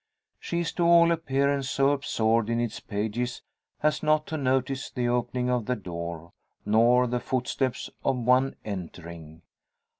She is to all appearance so absorbed in its pages as not to notice the opening of the door, nor the footsteps of one entering.